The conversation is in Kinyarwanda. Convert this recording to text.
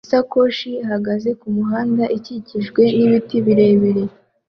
Isakoshi ihagaze kumuhanda ikikijwe n'ibiti birebire